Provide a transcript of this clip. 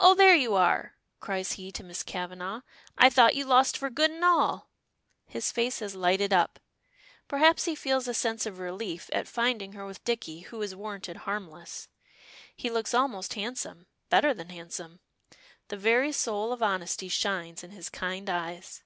"Oh, there you are!" cries he to Miss Kavanagh. "I thought you lost for good and all!" His face has lighted up. Perhaps he feels a sense of relief at finding her with Dicky, who is warranted harmless. He looks almost handsome, better than handsome! The very soul of honesty shines, in his kind eyes.